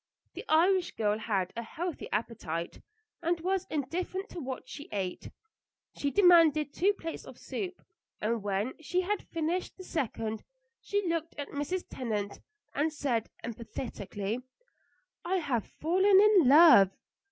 The Irish girl had a healthy appetite, and was indifferent to what she ate. She demanded two plates of soup, and when she had finished the second she looked at Mrs. Tennant and said emphatically: "I have fallen in love."